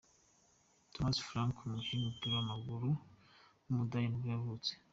Thomas Franck, umukinnyi w’umupira w’amaguru w’umudage nibwo yavutse.